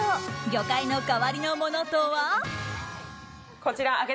魚介の代わりのものとは？